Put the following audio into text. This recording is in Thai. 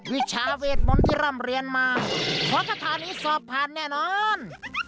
วิชาเวทมนต์ที่ร่ำเรียนมาเพราะคาถานี้สอบผ่านแน่นอน